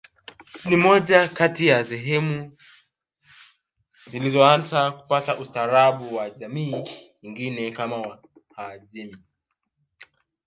Ni moja kati ya sehemu zilizoanza kupata ustaarabu wa jamii nyingine kama wahajemi